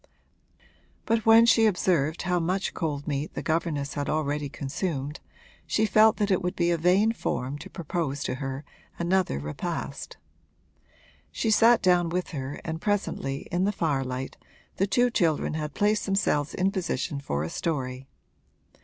But when she observed how much cold meat the governess had already consumed she felt that it would be a vain form to propose to her another repast. She sat down with her and presently, in the firelight, the two children had placed themselves in position for a story.